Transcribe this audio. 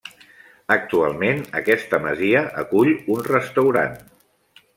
Actualment aquesta masia acull un restaurant.